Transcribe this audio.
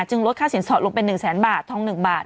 ลดค่าสินสอดลงเป็น๑แสนบาททอง๑บาท